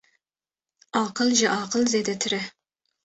Aqil ji aqil zêdetir e